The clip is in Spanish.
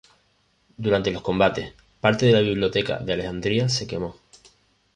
Durante los combates, parte de la Biblioteca de Alejandría se quemó.